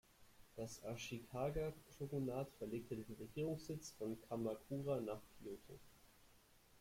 Das Ashikaga-Shōgunat verlegte den Regierungssitz von Kamakura nach Kyōto.